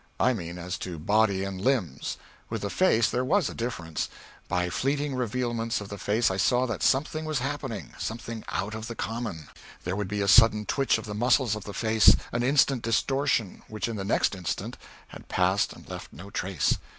I mean as to body and limbs; with the face there was a difference. By fleeting revealments of the face I saw that something was happening something out of the common. There would be a sudden twitch of the muscles of the face, an instant distortion, which in the next instant had passed and left no trace.